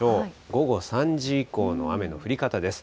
午後３時以降の雨の降り方です。